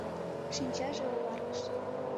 Шинчаже оваргыш.